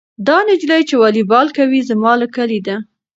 دا نجلۍ چې والیبال کوي زما له کلي ده.